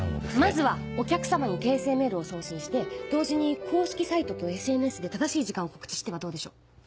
まずはお客さまに訂正メールを送信して同時に公式サイトとＳＮＳで正しい時間を告知してはどうでしょう？